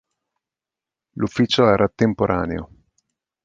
L'ufficio era temporaneo.